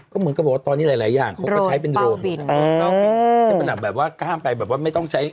ก็เหมือนกับว่าตอนนี้หลายอย่าง